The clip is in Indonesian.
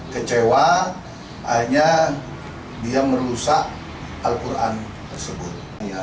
kecewa akhirnya dia merusak al quran tersebut